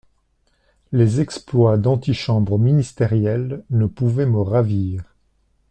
Les exploits d'antichambre ministérielle ne pouvaient me ravir.